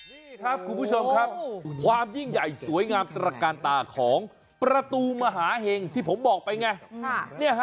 นี่ครับคุณผู้ชมครับความยิ่งใหญ่สวยงามตระการตาของประตูมหาเห็งที่ผมบอกไปไง